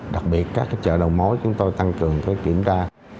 đặc biệt các chợ đầu mối chúng tôi tăng cường kiểm tra